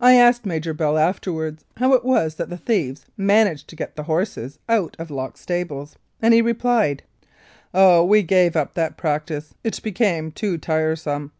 I asked Major Bell afterwards how it was that the thieves managed to get the horses out of locked stables, and he replied, "Oh, we gave up that practice ; it became too tiresome